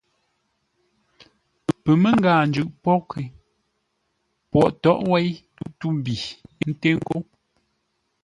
Pəmə́ngáa-njʉʼ pwóghʼ é, Pwogh tóghʼ wéi tû-mbi nté ńgó.